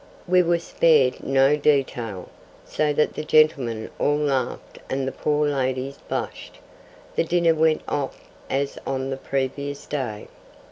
We were spared no detail, so that the gentlemen all laughed and the poor ladies blushed. The dinner went off as on the previous day.